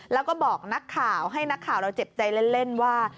แล้วก็บอกนักข่าวให้นักข่าวเราเจ็บใจเล่นว่า